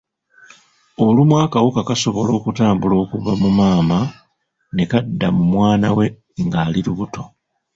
Olumu akawuka kasobola okutambula okuva mu maama ne kadda mu mwana we ng’ali lubuto.